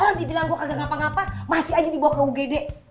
orang dibilang gue kagak ngapa ngapa masih aja dibawa ke ugd